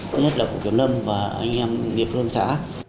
thứ nhất là của kiểm lâm và anh em địa phương xã